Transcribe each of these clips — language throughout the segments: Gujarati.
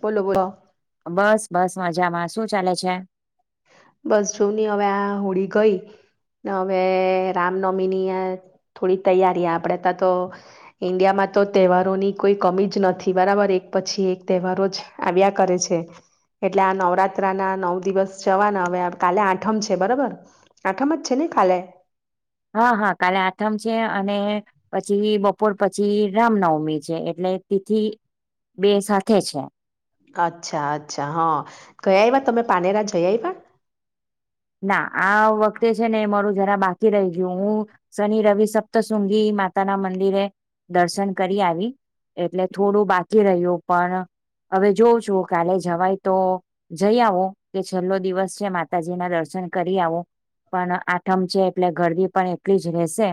બોલો બોલો. બસ બસ મજામાં શું ચાલે છે. બસ જોવ ની હવે આ હોળી ગઈ, ને હવે રામનવમીની આ થોડી તૈયારી આપડે ત્યાં તો ઈન્ડિયામાં તો તહેવારોની કોઈ કમી જ નથી બરાબર, એક પછી એક તહેવારો જ આવ્યા કરે છે, એટલે આ નવરાત્રા ના નવ દિવસ... જવાના હવે કાલે આઠમ છે બરોબર, આઠમ જ છે ને કાલે... હા હા કાલે આઠમ છે, અને પછી બપોર પછી રામનવમી છે, એટલે તિથિ બે સાથે છે. અચ્છા અચ્છા હા ગય આયવા તમે પાનેરા જયા આયવા ના આ વખતે છે ને મારું જરા બાકી રહી ગયું હું શનિ રવિ સપ્તસૃંગી માતા ના મંદિરે દર્શન કરી આવી એટલે થોડું બાકી રહ્યું પણ હવે જોઉં છું કાલે જવાય તો જઈ આવો કે છેલ્લો દિવસ છે માતાજી ના દર્શન કરી આવું પણ આઠમ છે એટલે ગરદી પણ એટલી જ રહેશે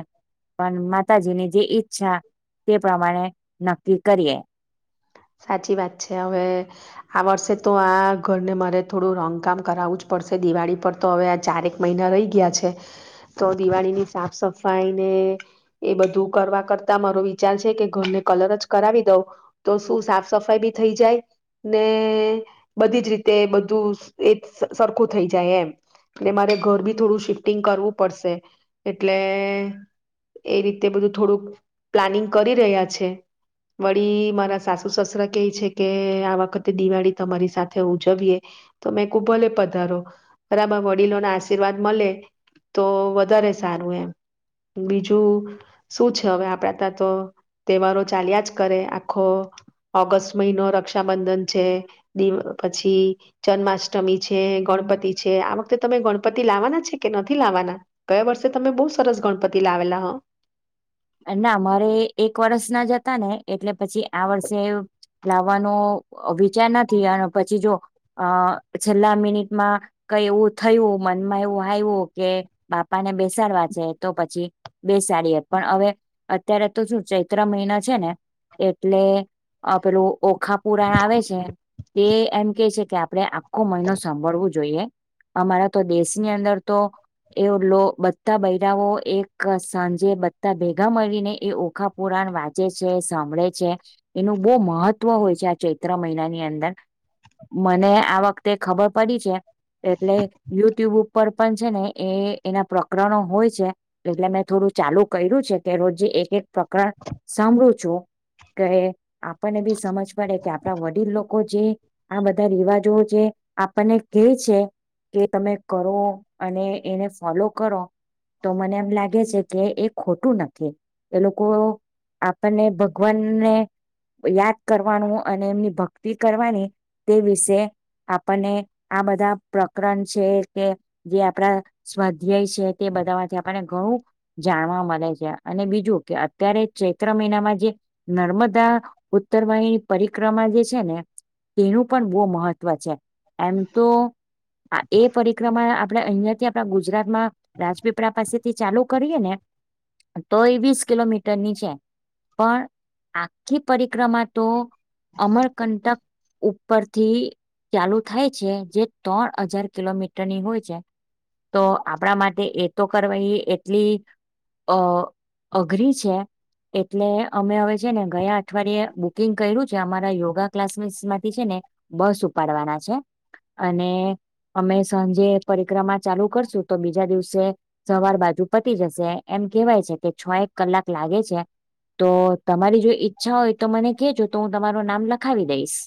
પણ માતાજીની જે ઈચ્છા તે પ્રમાણે નક્કી કરીએ. સાચી વાત છે હવે આ વર્ષે તો આ ઘરને મારે થોડું રંગકામ કરાવવું જ પડશે દિવાળી પર તો હવે આ ચારેક મહિના રહી ગયા છે તો દિવાળીની સાફ સફાઈ ને એ બધું કરવા કરતા મારો વિચાર છે કે ઘરને કલર જ કરાવી દઉ તો શું? સાફ સફાઈ બી થઈ જાય ને બધી જ રીતે બધું એ સરખું થઈ જાય એમ ને મારે ઘર બી થોડું શિફ્ટિંગ કરવું પડશે એટલે એ રીતે બધું થોડુંક પ્લાનિંગ કરી રહ્યા છે વળી મારા સાસ કે છે કે આ વખતે દિવાળી તમારી સાથે ઉજવીએ તો મેં કુ ભલે પધારો બરાબર વડીલોના આશીર્વાદ મળે તો વધારે સારું એમ બીજું શું છે હવે આપડા ત્યાં તો તહેવારો ચાલ્યા જ કરે આખો ઓગસ્ટ મહિનો રક્ષાબંધન છે દ પછી જન્માષ્ટમી છે ગણપતિ છે આ વખતે તમે ગણપતિ લાવવાના છે કે નથી લાવવાના ગયા વર્ષે તમે બહુ સરસ ગણપતિ લાવેલા હો. ના મારે એક વર્ષ ના જતા ને એટલે પછી આ વર્ષે લાવવાનો વિચાર નથી અને પછી જો અ છેલ્લા મિનિટમાં કઈ એવું થયું મનમાં એવું આવ્યું કે બાપા ને બેસાડવા છે તો પછી બેસાડીએ પણ હવે અત્યારે તો શું ચૈત્ર મહિના છે ને એટલે પેલું ઓખા પુરાણ આવે છે તે એમ કે છે કે આપડે મહિનો સાભળવો જોઈ અમારા તો દેશની અંદર તો એ બધા બૈરાઓ એક સાંજે બ બધા મળીને એ ઓખાપુરાણ વાંચે છે સાંભળે છે એનું બહુ મહત્વ હોય છે આ ચૈત્ર મહિનાની અંદર મને આ વખતે ખબર પડી છે. એટલે યુટ્યુબ ઉપર ઉપર પણ છે ને એ એના પ્રકરણો હોય છે એટલે મેં થોડું ચાલુ કર્યું છે. તે રોજે એક એક પ્રકરણ સાંભળ્યું. કે આપણને બી સમજ પડે કે આપણા વડીલ લોકો જે આ બધા રિવાજો જે આપણને કે છે કે તમે કરો અને એને ફોલો કરો તો મને એમ લાગે છે કે એ ખોટું નથી એ લોકો આપણને ભગવાનને યાદ કરવાનું અને એમની ભક્તિ કરવાની તે વિશે આપણને આ બધા પ્રકરણ છે, કે જે આપણા સ્વાધ્યાય છે, તે બધા માંથી આપણને ઘણું જાણવા મળે છે અને બીજું કે અત્યારે ચૈત્ર મહિનામાં જે નર્મદા ઉત્તરવાયની પરિક્રમા જે છે ને તેનું પણ બહુ મહત્વ છે એમ તો, એ પરિક્રમા આપણે અહિયાં થી આપડા ગુજરાત માં રાજપીપળા પાસેથી ચાલુ કરીએ ને તો એ વીસ કિલોમીટરની છે, પણ આખી પરિક્રમા તો અમરકંટક ઉપરથી ચાલુ થાય છે, જે ત્રણ હજાર કિલોમીટરની હોય છે તો આપણા માટે એ તો કરવાઈ એટલી અ અઘરી છે, એટલે અમે હવે છે ને ગયા અઠવાડિયે બુકિંગ કર્યું છે, અમારા યોગા ક્લાસમેસ માંથી છે ને બસ ઉપાડવાના છે અને અમે સાંજે પરિક્રમા ચાલુ કરશું તો બીજા દિવસે સવાર બાજુ પતી જશે એમ કહેવાય છે કે છ એક કલાક લાગે છે તો તમારી જો ઈચ્છા હોય તો મને કેજો તો હું તમારું નામ લખાવી દઈશ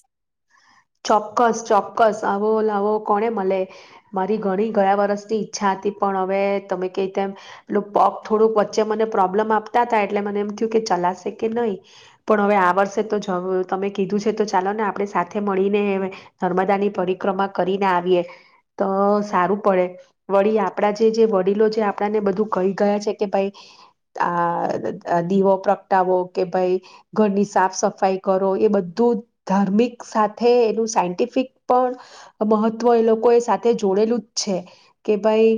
ચોક્કસ ચોક્કસ આવો લો કોને મળે મારી ઘણી ગયા વરષની ઈચ્છા હતી પણ હવે તમે ક તેમ પગ થોડુંક વચ્ચે મને પ્રોબ્લેમ આપતા હતા એટલે મને એમ થયું કે ચલાશે કે નહીં પણ હવે આ વર્ષે તો જ તમે કીધું છે તો ચાલો ને આપણે સાથે મળીને નર્મદાની પરિક્રમા કરીને આવીએ તો સારું પડે વળી આપણા જે વડીલો જે આપણાને બધું કહી ગયા છે કે ભાઈ આ દીવો પ્રગટાવો કે ભાઈ ઘરની સાફ સફાઈ કરો એ બધું ધાર્મિક સાથે એનું સાયન્ટિફિક પણ મહત્વ એ લોકો એ સાથે જોડેલું જ છે, કે ભાઈ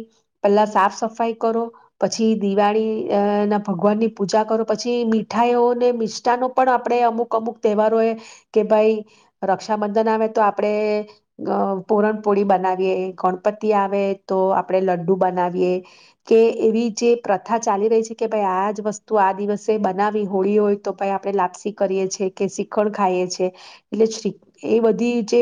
પેલા સાફ સફાઈ કરો પછી દિવાળી અ ના ભગવાનની પૂજા કરો પછી મીઠાઈઓને મિષઠાનો પણ આપણે અમુક અમુક તહેવારો એ કે ભાઈ રક્ષાબંધન આવે તો આપણે પોરણપોળી બનાવીએ, ગણપતિ આવે તો આપણેે લડ્ડુ બનાવીએ કે એવી જે પ્રથા ચાલી રહી છે, કે ભાઈ આ જ વસ્તુ આ દિવસે બનાવી હોળી હોય તો ભ આપણે લાપસી કરીએ છે કે શીખણ ખાઈએ છે એટ એ બધી જે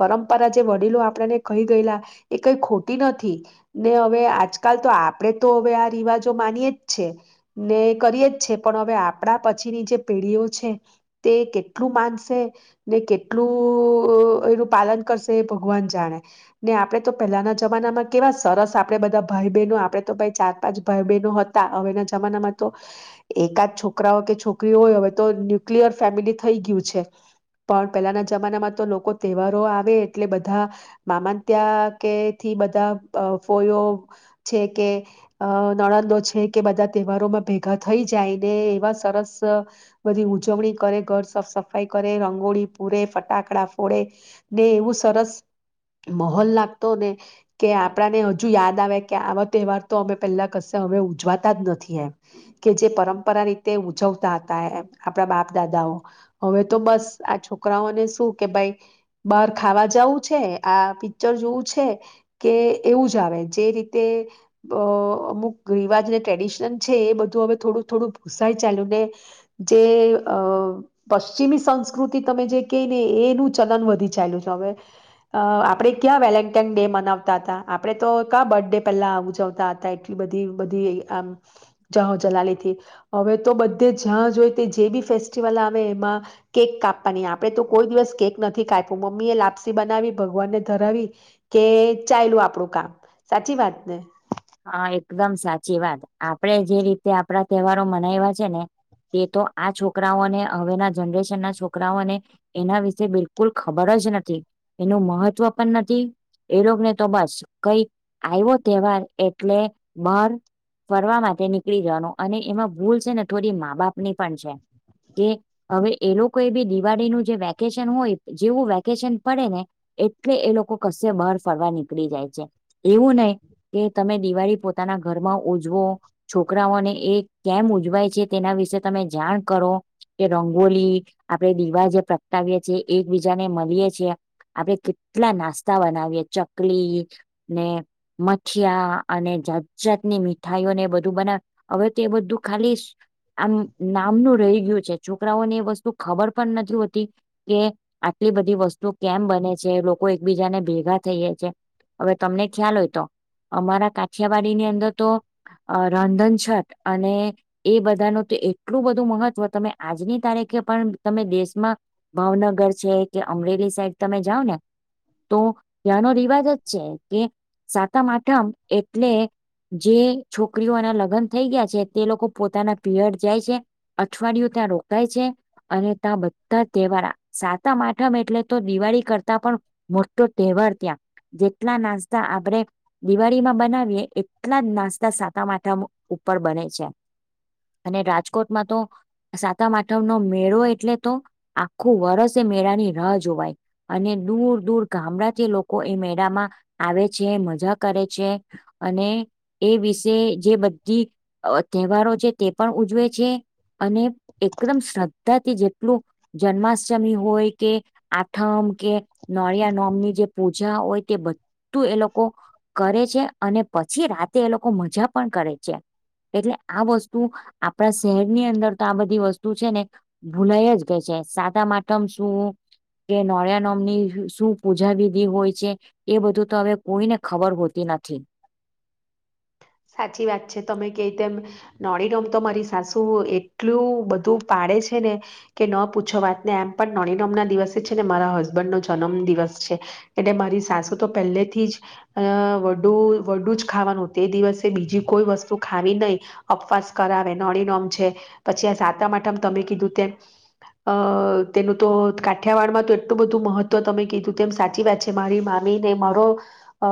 પરંપરા જે વડીલો આપણેને કહી ગયેલા એ કઈ ખોટી નથી ને હવે આજકાલ તો આપણેે તો હવે આ રિવાજો માનીએે જ છે ને કરીએે જ છે પણ હવે આપણા પછીની જે પેઢીઓ છે તે કેટલું માનશે ને કેટલું એનું પાલન કરશે એ ભગવાન જાણે ને આપણે તો પહેલાના જમાનામાં કેવા સરસ આપણેે બધા ભાઈ બહેનો આપણે તો ભાઈ ચાર પાંચ ભાઈ બહેનો હતા હવેના જમાનામાં તો એકાદ છોકરાઓ કે છોકરી હોય હવે તો ન્યુક્લિયર ફેમિલી થઈ ગયું છે પણ પહેલાના જમાનામાં તો લોકો તહેવારો આવે એટલે બધા મામ ત્યા કે થી બધા ફોયો છે કે અ નણંદો છે કે બધા તહેવારોમાં ભેગા થઈ જાય ને એવા સરસ બધી ઉજવણી કરે ઘર સાફ સફાઈ કરે રંગોળી ફોડે, ફટાકડા ફોડે ને એવું સરસ માહોલ લાગતો ને કે આપડાને હજુ યાદ આવે કે આવા તહેવાર તો અમે પેલા કશે હવે ઉજવાતા જ નથી એમ કે જે પરંપરા રીતે ઉજવતા હતા એમ આપણા બાપ દાદાઓ હવે તો બસ આ છોક છોકરાઓને શું કે ભાઈ બહાર ખાવા જવું છે, આ પિક્ચર જોવું છે, કે એવું જ આવે જે રીતે તો અમુક રિવાજને ટ્રેડિશન છે, એ બધું હવે થોડું થોડું ભૂસાય ચાલ્યું ને જે અ પશ્ચિમી સંસ્કૃતિ તમે જે ક ને એનું ચલન વધી ચાલ્યું છે, હવે આપણે ક્યાં વેલેન્ટાઈન ડે મનાવતા હતા, આપડે તો ક્યા બર્થ ડે પહેલા ઉજવતા હતા એટલી બધી બધી આમ જાહો જલાલીથી હવે તો બધે જયા જોઈ તે જે બી ફેસ્ટિવલ આવે એમાં કેક કાપ ની આપડે તો કોઈ દિવસ કેક નથી કાઇપુ, મમ્મી એ લાપસી બનાવી ભગવાનને ધરાવી કે ચાઉલુ આપણું કામ સાચી વાત ને હા એકદમ સાચી વાત આપડે જે આપણા તહેવારો મનાવ્યા છે ને તે તો આ છોકરાઓને હવેના જનરેશન ના છોકરાઓને એના વિશે બિલકુલ ખબર જ નથી એનું મહત્વ પણ નથી એ લોકોનેતો બસ કઈક આવો તહેવાર એટલે બહાર ફરવા માટે નીકળી જવાનું, અને એમાં ભૂલ છે ને થોડી મા બાપની પણ છે, કે હવે એ લોકો એ બી દિવાળીનું જે વેકેશન હોય જેવું વેકેશન પડે ને એટલે એ લોકો કશે બહાર ફરવા નીકળી જાય છે એવું નહી કે તમે દિવાળી પોતાના ઘરમાં ઉજવો, છોકરાઓને એ કેમ ઉજવાય છે તેના વિશે તમે જાણ કરો, કે રંગોલી આપણેે દિવા જે પ્રગટાવીએ છીએ એકબીજાને મળીએ છી, આપણે કેટલા નાસ્તા બનાવીએ ચકલી, ને મઠિયા અને જાત જાતની મીઠાઈઓને બધું બને હવે તો એ બધું ખાલી આમ નામનું રહી છોકરાઓને એ વસ્તુ ખબર પણ નથી હોતી કે આટલી બધી વસ્તુ કેમ બને છે, લોકો એકબીજાને ભેગા થઈએ છીએ હવે તમને ખ્યાલ હોય તો અમારા કા કઠિયાવાડીની અંદર તો રાંધનછટ અને એ બધાનો એટલું બધું મહત્વ, તમે આજની તારીખે પણ તમે દેશમાં ભાવનગર છે, કે અમરેલી સાઈડ તમે જાઓ ને તો ત્યાંનો રિવાજ જ છે કે સાતમ, આઠમ એટલે જે છોકરીઓ એના લગ્ન થઈ ગયા છે, તે લોકો પોતાના પિયર જાય છે, અઠવાડિયું ત્યાં રોકાય છે અને બધા તહેવારા સાત સાતમ આઠમ એટલે તો દિવાળી કરતા પણ મોટો તહેવાર ત્યાં જેટલા નાસ્તા આપણેે દિવાળીમાં બનાવીએ એટલા જ નાસ્તા સાતમ આઠમ ઉપર બને છે અને રાજકો રાજકોટમાં તો સાતામ આઠવનો મેળો એટલે તો આખું વરષ એ મેળાની રાહ જોવાય, અને દૂર દૂર ગામડાથી લોકો એ મેળામાં આવે છે, મજાક કરે છે, અને એ વિશે જે બધી તહેવારો છે તે પણ ઉજવે છે અને એકદમ શ્રદ્ધાથી જેટલું જન્માષ્ટમી હોય કે આઠમ કે નોળિયા નોમની જે પૂજા હોય તે બધું એ લોકો કરે છે, અને પછી રાતે એ લોકો મજા પણ કરે છે, એટલે આ વસ્તુ આપણા શહેરની અંદર તો આ બધી વસ્તુ છે ને ભૂલાઈ જ ગઈ છે, સાતમ આઠમ હોય છે શું, કે નોરિયાનોમની શું પૂજા વિધિ હોય છે, એ બધું તો હવે કોઈને ખબર હોતી પિનાથી સાચી વાત છે, તમે કે તેમ નોળીનોમ તો મારી સાસુ એટલું બધું પાડે છે ને કે ન પૂછો વાત ને એમ પણ નોળીનોમ ના દિવસે છે ને મારા હસબન્ડ નો જન્મ દિવસ છે એટલે મારી સાસુ તો પહેલેથી જ વડું વડું જ ખાવાનું તે દિવસે બીજી કોઈ વસ્તુ ખાવી નહી, અપવાસ કરાવે, નોણીનોમ છે પછી આ સાતમ આઠમ તમે કીધું તેમ અ તેનું તો કાઠિયાવાડમાં તો એટલું બધું મહત્વ તમે કીધું તેમ સાચી વાત છે, મારી મામીને મારો અ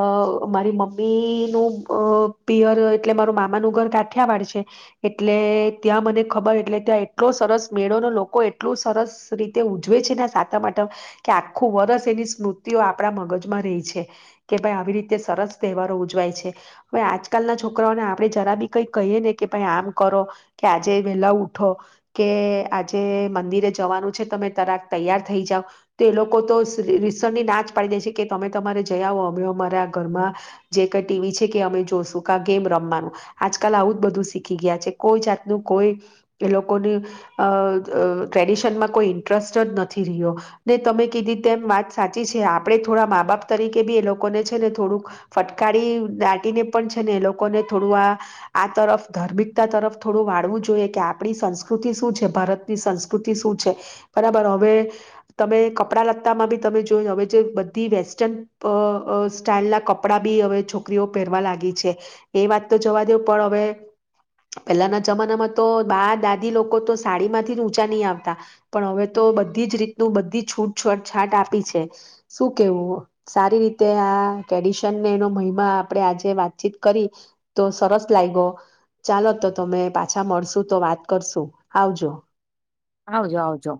મારી મમ્મીનું અ પિયર એટલે મારું મામાનું ઘર કાઠિયાવાડ છે એટલે ત્યાં મને ખબર એટલે ત્યાં એટલો સરસ મેળો ન લોકો એટલું સરસ રીતે ઉજવે છે ના સાતમ આઠમ માટે કે આખું વરસ એની સ્મૃતિઓ આપડા મગજમાં રહી છે કે ભાઈ આવી રીતે સરસ તહેવારો ઉજવાય છે હ આજકાલ ના છોકરાઓને આપડણે જરા બી કઈ કહીએ ને કે ભાઈ આમ કરો કે આજે વેલા ઉઠો, કે આજે મંદિરે જવાનું છે, તમે તરાક તૈયાર થઈ જાવ, તો એ લોકો તો રિસલી નાચ પાડી દે છે કે તમે તમારે જયા આવ અમે અમારા ઘરમાં જે કઈ ટીવી છે કે અમે જોશું ક ગેમ રમવાનું આજકાલ આવું જ બધું શીખી ગયા છે, કોઈ જાતનું કોઈ એ લોકોને અ ટ્રેડિશનમાં કોઈ ઇન્ટરેસ્ટ જ નથી રહ્યો ને તમે કીધીતે વાત સાચી છે. આપણે થોડા મા બાપ તરીકે બી એ લોકોને છે ને થોડુંક ફટકારી પણ છે ને એ લોકોને થોડું આ આ તરફ ધાર્મિકતા તરફ થોડું વાળવું જોઈએ કે આપણી સંસ્કૃતિ શું છે? ભારતની સંસ્કૃતિ શું છે? બરાબર હવે તમે કપડા લત્તામાં બી તમે જોય હવે જે બધી વેસ્ટર્ન સ્ટાઈલ ના કપડા બી હવે છોકરીઓ પરવા લાગી છે. એ વાત તો જવા દવ પણ હવે પહેલાના જમાનામાં તો બા દાદી લોકો તો સાડી માંથી જ ઊંચા નહી આવતા પણ હવે તો બધી જ રીતનું બધી છૂટછોટ છાટ આપી છે. શું કેવું સારી રીતે આ ટ્રેડિશનને એનો મહિમા આપણે આજે વાતચીત કરી તો સરસ લાગ્યો ચાલો તો તમે પાછા મળશુ તો વાત કરશુ. આવજો. આવજો આવજો.